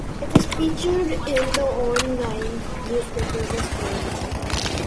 It is featured in the on-line newspaper "West Word".